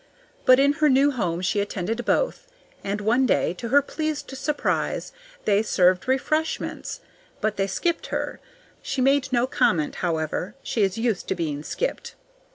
But in her new home she attended both, and one day, to her pleased surprise, they served refreshments. But they skipped her. She made no comment, however; she is used to being skipped.